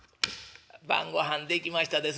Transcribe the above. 「晩ごはんできましたですじゃ」。